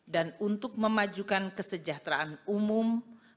dan untuk memajukan kesejahteraan umum